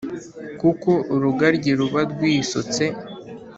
Kuko urugaryi ruba rwisutse